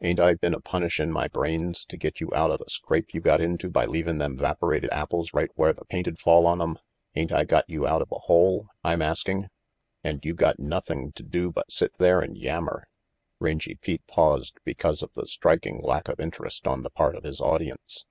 Ain't I been a punishin' my brains to get you outa the scrape you got into by 14 RANGY PETE leaving them 'vaporated apples right where the paint'd fall on them? Ain't I got you out of a hole, I'm asking? An' you got nothing to do but sit there and yammer " Rangy Pete paused because of the striking lack of interest on the part of his audience.